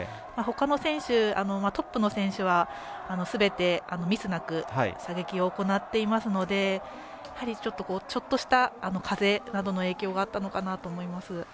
ほかの選手、トップの選手はすべて、ミスなく射撃を行っていますのでやはり、ちょっとした風などの影響があったのかなと思います。